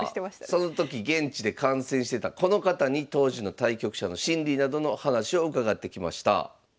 さあその時現地で観戦してたこの方に当時の対局者の心理などの話を伺ってきました。